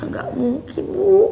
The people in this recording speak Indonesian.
gak mungkin bu